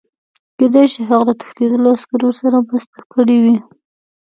کېدای شي هغه له تښتېدلو عسکرو سره مرسته کړې وي